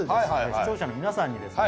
視聴者の皆さんにですね